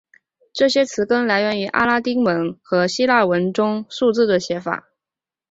这些词根来源于拉丁文和希腊文中数字的写法。